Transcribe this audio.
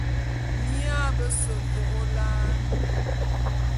Mia bese vô'ôla'an.